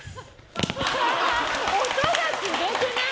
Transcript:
音がすごくない？